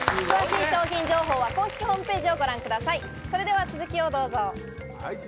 詳しい商品情報は公式ホームページをご覧ください。